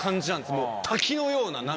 もう滝のような涙が。